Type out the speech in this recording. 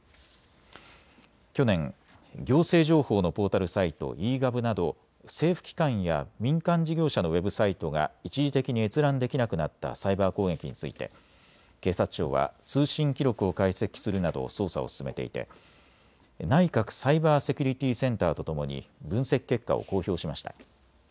去年、行政情報のポータルサイト、ｅ−Ｇｏｖなど政府機関や民間事業者のウェブサイトが一時的に閲覧できなくなったサイバー攻撃について警察庁は通信記録を解析するなど捜査を進めていて内閣サイバーセキュリティセンターとともに分析結果を公表しました。